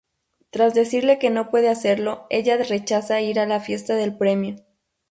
Tras decirle que no puede hacerlo, ella rechaza ir a la Fiesta del Premio.